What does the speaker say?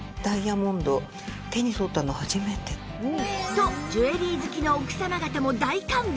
とジュエリー好きの奥様方も大感動